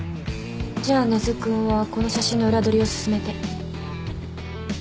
じゃあ根津君はこの写真の裏取りを進めて。